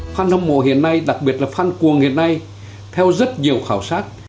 phan hâm mộ hiện nay đặc biệt là phan cuồng hiện nay theo rất nhiều khảo sát